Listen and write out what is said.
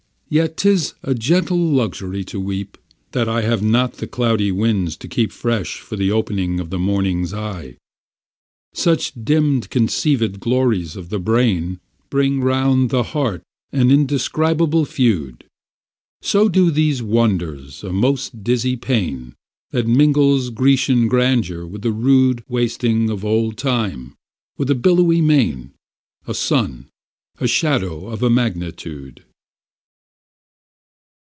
Yet tis a gentle luxury to weep That I have not the cloudy winds to sweep Fresh for the opening of the morning's eye. Such dim conceived glories of the brain Bring round the heart an indescribable feud; So do these wonders a most dizzy pain, Which mingles Grecian grandeur with the rude Wasting of old Time with a billowy main A sun a shadow of a magnitude.